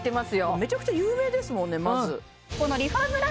めちゃくちゃ有名ですもんね